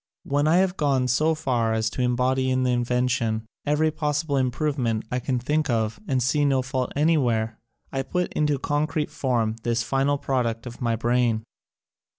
When I have gone so far as to em body in the invention every possible im provement I can think of and see no fault anywhere, I put into concrete form this final product of my brain.